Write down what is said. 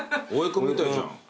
君みたいじゃん。